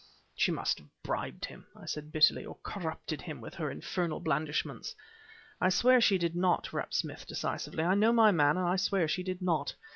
"She must have bribed him," I said bitterly "or corrupted him with her infernal blandishments." "I'll swear she did not," rapped Smith decisively. "I know my man, and I'll swear she did not.